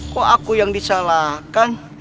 kok aku yang disalahkan